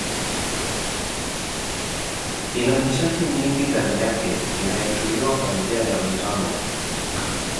Ina nishati nyingi ndani yake inayotumiwa kwa njia ya mitambo.